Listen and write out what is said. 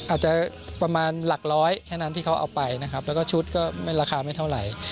อาจจะประมาณหลักร้อยแค่นั้นที่เขาเอาไปนะครับแล้วก็ชุดก็ไม่ราคาไม่เท่าไหร่